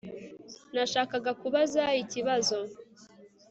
Nashakaga kubaza ikibazo